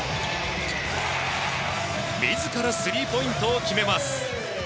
自らスリーポイントを決めます。